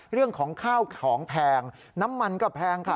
เรื่องของข้าวของแพงน้ำมันก็แพงค่ะ